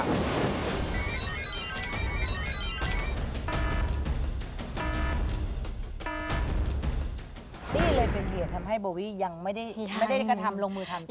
นี่เลยเป็นเหตุทำให้โบวี่ยังไม่ได้กระทำลงมือทำ